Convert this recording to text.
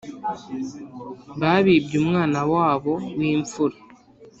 Babibye umwana wabo wimfura